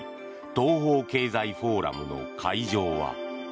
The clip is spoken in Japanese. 東方経済フォーラムの会場は。